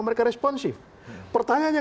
mereka responsif pertanyaannya